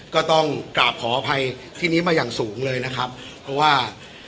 ก็ต้องกราบขออภัยที่นี้มาอย่างสูงเลยนะครับเพราะว่า